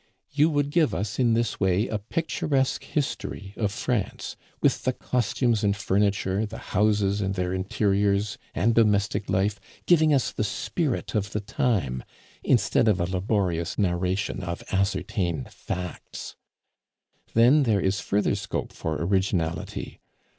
You would give us in this way a picturesque history of France, with the costumes and furniture, the houses and their interiors, and domestic life, giving us the spirit of the time instead of a laborious narration of ascertained facts. Then there is further scope for originality.